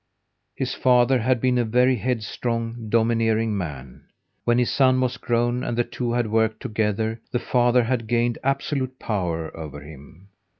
His father had been a very headstrong, domineering man. When his son was grown and the two had worked together, the father had gained absolute power over him.